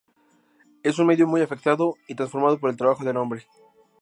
Es un medio muy afectado y transformado por el trabajo del hombre.